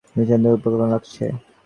ভীষণ উৎফুল্ল লাগছে।